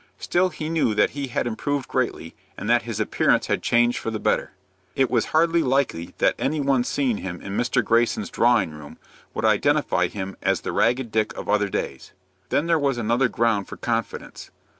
Still he knew that he had improved greatly, and that his appearance had changed for the better. It was hardly likely that any one seeing him in Mr. Greyson's drawing room, would identify him as the Ragged Dick of other days. Then there was another ground for confidence.